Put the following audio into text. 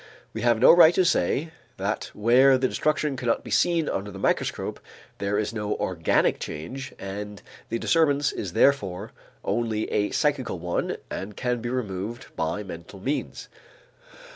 We have no right to say that where the destruction cannot be seen under the microscope there is no organic change and the disturbance is therefore only a psychical one and can be removed by mental means.